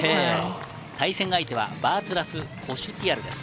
対戦相手はバーツラフ・コシュティアルです。